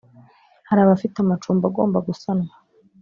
hari abafite amacumbi agomba gusanwa